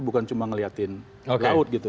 bukan cuma ngeliatin laut gitu